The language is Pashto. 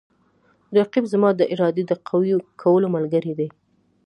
رقیب زما د ارادې د قوي کولو ملګری دی